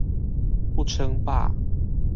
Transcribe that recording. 不稱霸